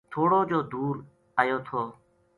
تھوڑو جو دُور ایو تھو